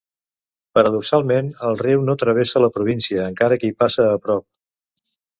Paradoxalment, el riu no travessa la província, encara que hi passa a prop.